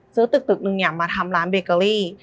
ซื้อตึกนึงเนี่ยมาทำร้านเบเกอรี่